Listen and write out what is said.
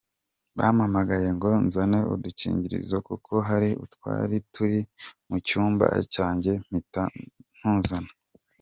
Bampamagaye ngo nzane udukingirizo kuko hari utwari turi mu cyumba cyanjye mpita ntuzana.